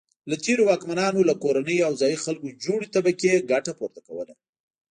له تېرو واکمنانو له کورنیو او ځايي خلکو جوړې طبقې ګټه پورته کوله.